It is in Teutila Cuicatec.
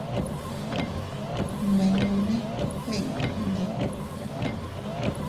Nmimñune iʼnno ndoo.